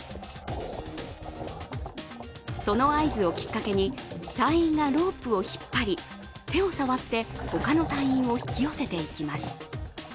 その合図をきっかけに隊員がロープを引っ張り手を触って他の隊員を引き寄せていきます。